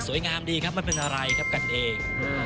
งามดีครับไม่เป็นอะไรครับกันเอง